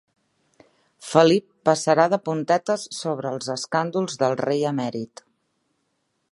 Felip passarà de puntetes sobre els escàndols del rei emèrit.